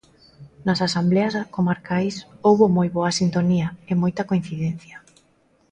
Nas asembleas comarcais houbo moi boa sintonía e moita coincidencia.